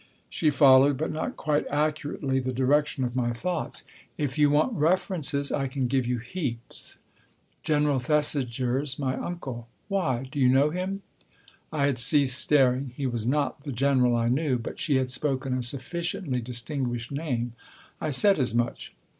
She followed, but not quite accurately, the direction of my thoughts. Book I : My Book 15 " If you want references, I can give you heaps. General Thesiger's my uncle. Why ? Do you know him ?" I had ceased staring. He was not the General I knew, but she had spoken a sufficiently distinguished name. I said as much.